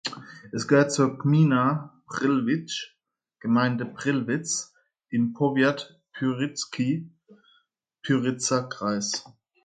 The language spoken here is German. Es gehört zur Gmina Przelewice "(Gemeinde Prillwitz)" im Powiat Pyrzycki "(Pyritzer Kreis)".